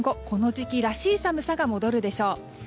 この時期らしい寒さが戻るでしょう。